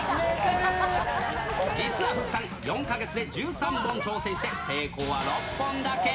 実は福さん、４か月で１３本挑戦して、成功は６本だけ。